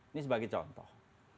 ini sebagai contoh